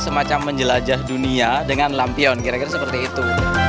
semacam menjelajah dunia dengan lampion kira kira seperti itu